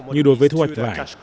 như đối với thu hoạch vải